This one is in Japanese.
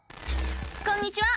こんにちは！